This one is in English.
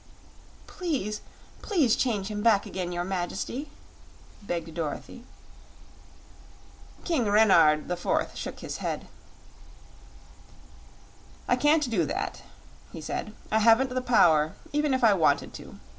"Please, PLEASE change him back again, your Majesty!" begged Dorothy. King Renard IV shook his head. "I can't do that," he said; "I haven't the power, even if I wanted to.